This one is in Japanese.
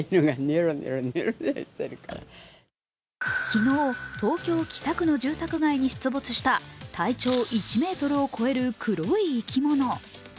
昨日、東京・北区の住宅街に出没した体長１ｍを超える黒い生き物。